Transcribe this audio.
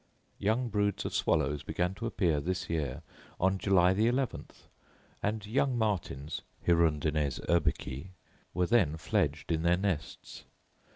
Young broods of swallows began to appear this year on July the eleventh, and young martins (hirundines urbicae) were then fledged in their nests.